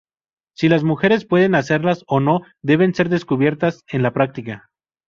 Si las mujeres pueden hacerlas o no deben ser descubiertas en la práctica.